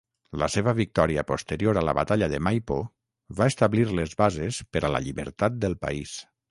La seva victòria posterior a la batalla de Maipo va establir les bases per a la llibertat del país.